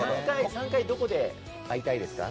３回どこで会いたいですか？